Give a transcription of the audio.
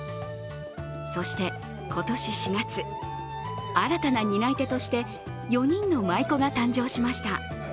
そして今年４月、新たな担い手として４人の舞子が誕生しました。